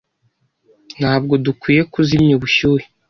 Ntabwo dukwiye kuzimya ubushyuhe?